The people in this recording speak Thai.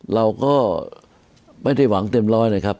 เราก็ไม่ได้หวังเต็มร้อยเลยครับ